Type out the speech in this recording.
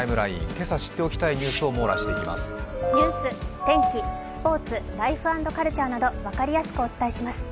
今朝知っておきたいニュースを網羅していますニュース、スポーツ、ライフ＆カルチャーなど分かりやすくお伝えします。